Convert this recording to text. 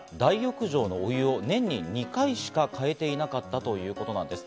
福岡県の老舗旅館が大浴場のお湯を年に２回しか替えていなかったということなんです。